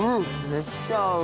めっちゃ合う！